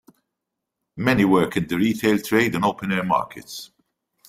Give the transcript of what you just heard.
Many work in the retail trade in open-air markets.